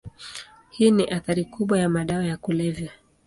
Hii ni athari kubwa ya madawa ya kulevya.